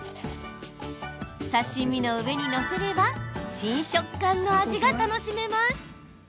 刺身の上に載せれば新食感の味が楽しめます。